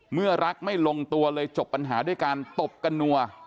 เมื่อรักไม่ลงตัวเลยจบปัญหาด้วยการตบกันนัว